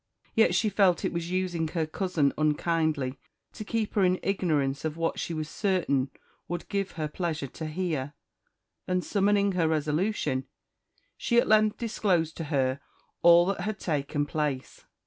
Yet she felt it was using her cousin unkindly to keep her in ignorance of what she was certain would give her pleasure to hear; and, summoning her resolution, she at length disclosed to her all that had taken place.